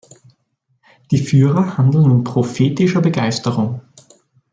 Die Führer handeln in prophetischer Begeisterung.